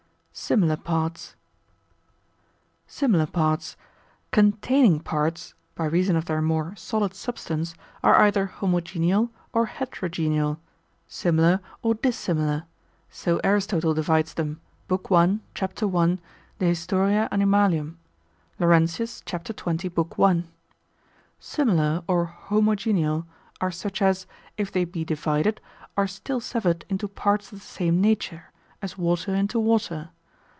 —Similar Parts. Similar Parts] Containing parts, by reason of their more solid substance, are either homogeneal or heterogeneal, similar or dissimilar; so Aristotle divides them, lib. 1, cap. 1, de Hist. Animal.; Laurentius, cap. 20, lib. 1. Similar, or homogeneal, are such as, if they be divided, are still severed into parts of the same nature, as water into water.